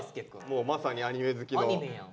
もうまさにアニメ好きの。